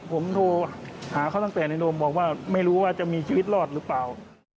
ผมโทรหาเขาตั้งแต่ในโนมบอกว่าไม่รู้ว่าจะมีชีวิตรอดหรือเปล่า